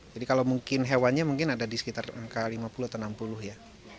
jadi kalau mungkin hewannya mungkin ada di sekitar lima puluh atau enam puluh ya